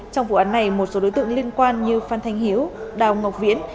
trong vụ án này một số đối tượng liên quan như phan thanh hiếu đào ngọc viễn